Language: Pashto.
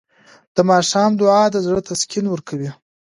د ماښام دعا د زړه تسکین ورکوي.